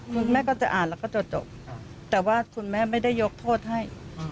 คุณแม่ก็จะอ่านแล้วก็จะจบแต่ว่าคุณแม่ไม่ได้ยกโทษให้